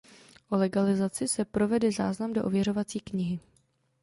O legalizaci se provede záznam do ověřovací knihy.